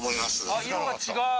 あ色が違う！